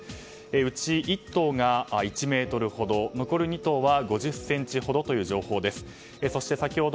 うち１頭が１ｍほど残る２頭は５０ｃｍほどという情報です。